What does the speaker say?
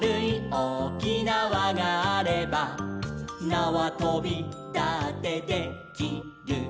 「なわとびだってで・き・る」